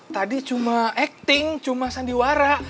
tadi cuma acting cuma sandiwara